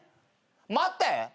「待って！